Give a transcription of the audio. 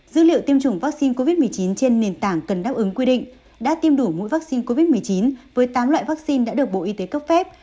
dữ liệu tiêm chủng vaccine covid một mươi chín trên nền tảng cần đáp ứng quy định đã tiêm đủ mũi vaccine covid một mươi chín với tám loại vaccine đã được bộ y tế cấp phép